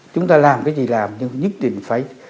chúng ta làm cái gì làm nhưng nhất định phải